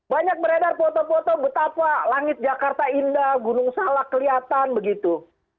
banyak beredar foto foto betapa langit jakarta indah gunung salah kelihatan begitu